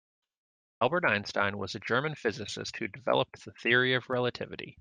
Albert Einstein was a German physicist who developed the Theory of Relativity.